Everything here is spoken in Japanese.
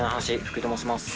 福井と申します。